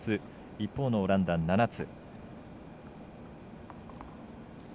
一方、オランダは７つ。